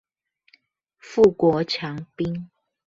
富國強兵